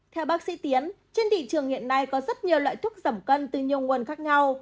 theo bác sĩ tiến trên thị trường hiện nay có rất nhiều loại thuốc giảm cân từ nhiều nguồn khác nhau